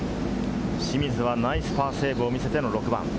清水はナイスパーセーブを見せての６番。